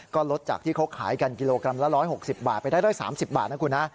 ก็ลดจากที่เขาขายกันกิโลกรัมละร้อยหกสิบบาทไปได้ร้อยสามสิบบาทนะคุณฮะ